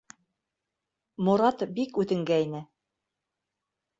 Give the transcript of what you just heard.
Морат бик үтенгәйне.